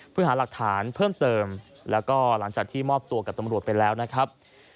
เพื่อหาหลักฐานเพิ่มเติมแล้วก็หลังจากที่มอบตัวกับตำรวจไปแล้วนะครับ